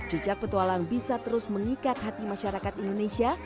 jejak petualang bisa terus mengikat hati masyarakat indonesia